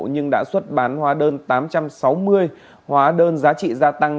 nhưng đã xuất bán hóa đơn tám trăm sáu mươi hóa đơn giá trị gia tăng